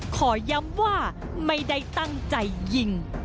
ขอย้ำว่าไม่ได้ตั้งใจยิง